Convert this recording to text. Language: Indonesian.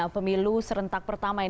pemilu serentak pertama yang